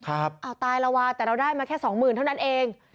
อ้าวตายละวะแต่เราได้มาแค่สองหมื่นเท่านั้นเอง